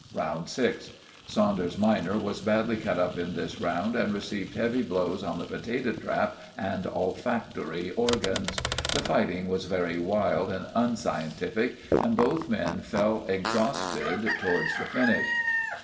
"Round 6.—Saunders minor was badly cut up in this round, and received heavy blows on the potato trap and olfactory organs. The fighting was very wild and unscientific, and both men fell exhausted towards the finish.